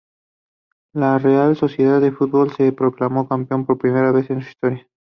La Real Sociedad de Fútbol se proclamó campeón por primera vez en su historia.